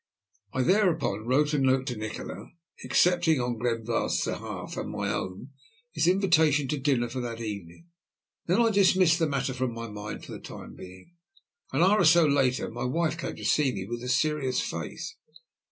I thereupon wrote a note to Nikola accepting, on Glenbarth's behalf and my own, his invitation to dinner for that evening. Then I dismissed the matter from my mind for the time being. An hour or so later my wife came to me with a serious face.